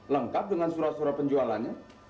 lengkap dengan surat surat penjualannya